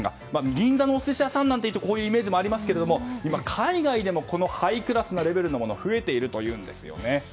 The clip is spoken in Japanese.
銀座のお寿司屋さんだとこういうイメージもありますが海外でもハイクラスなレベルのものが増えているというんです。